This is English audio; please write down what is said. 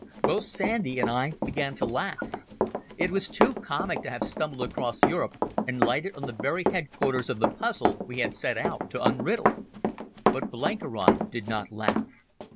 Both Sandy and I began to laugh. It was too comic to have stumbled across Europe and lighted on the very headquarters of the puzzle we had set out to unriddle. But Blenkiron did not laugh.